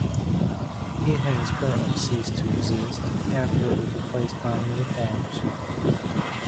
It has currently ceased to exist after it was replaced by new reforms.